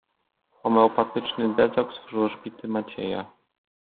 Homeopatyczny detoks wróżbity Macieja.